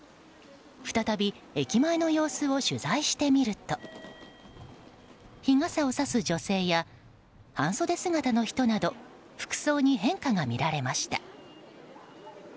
再び駅前の様子を取材してみると日傘をさす女性や半袖姿の人など服装に変化が見られました。